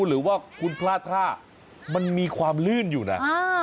หรือว่าคุณพลาดท่ามันมีความลื่นอยู่นะ